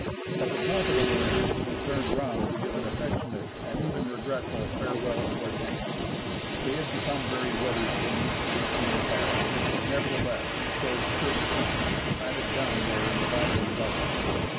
At the top of the moraine we turned round to give an affectionate and even regretful farewell to our tents. They had become very weather stained, leaky, and tattered, but nevertheless showed sturdy fronts, planted down there in the bottom of the gully.